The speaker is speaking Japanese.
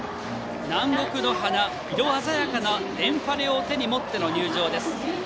南国の花色鮮やかなデンファレを手に持っての入場です。